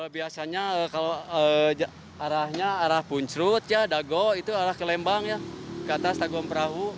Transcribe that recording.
biasanya arahnya arah puncut dago itu arah ke lembang ke atas taguam perahu